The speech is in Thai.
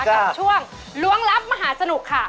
กับช่วงล้วงลับมหาสนุกค่ะ